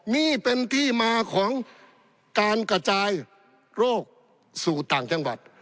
นี่เป็นที่มาของการกระจายโรคสู่ต่างจังหวัด